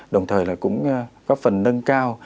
đồng thời là cũng góp phần nâng cao